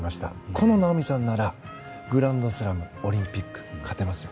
このなおみさんならグランドスラムオリンピック勝てますよ。